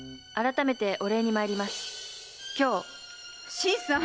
新さん。